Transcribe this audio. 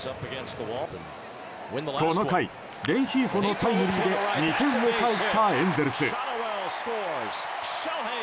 この回、レンヒーフォのタイムリーで２点を返したエンゼルス。